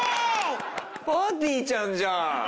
ぱーてぃーちゃんじゃん！